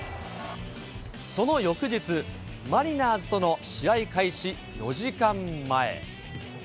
その翌日、マリナーズとの試合開始４時間前。